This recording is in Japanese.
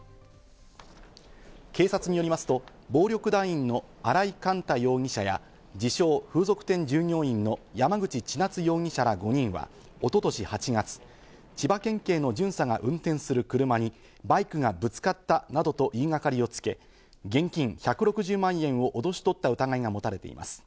警察によりますと、暴力団員の荒井幹太容疑者や、自称・風俗店従業員の山口稚夏容疑者ら５人は一昨年８月、千葉県警の巡査が運転する車にバイクがぶつかったなどと言いがかりをつけ、現金１６０万円をおどし取った疑いが持たれています。